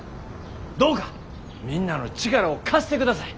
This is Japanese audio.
どうかみんなの力を貸してください。